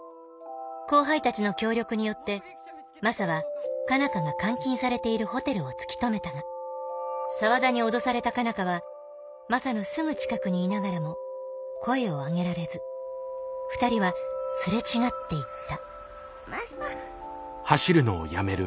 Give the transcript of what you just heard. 後輩たちの協力によってマサは佳奈花が監禁されているホテルを突き止めたが沢田に脅された佳奈花はマサのすぐ近くにいながらも声を上げられず２人はすれ違っていったマサ。